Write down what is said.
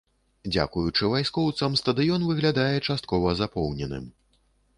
Дзякуючы вайскоўцам, стадыён выглядае часткова запоўненым.